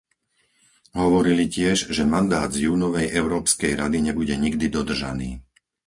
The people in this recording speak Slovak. Hovorili tiež, že mandát z júnovej Európskej rady nebude nikdy dodržaný.